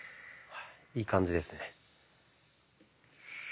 いい感じですね。